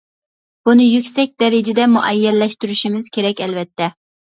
بۇنى يۈكسەك دەرىجىدە مۇئەييەنلەشتۈرۈشىمىز كېرەك ئەلۋەتتە.